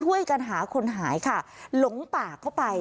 ช่วยกันหาคนหายค่ะหลงป่าเข้าไป